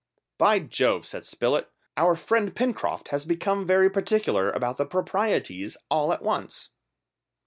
"By Jove," said Spilett; "our friend Pencroft has become very particular about the proprieties all at once!"